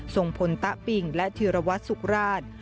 ส่งพลตะปิงและธีรวัตรสุขราช